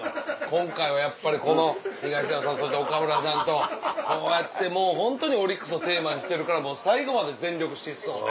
今回はやっぱりこの東野さんそして岡村さんとこうやってホントにオリックスをテーマにしてるから最後まで全力疾走で。